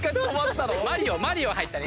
マリオ入ったね。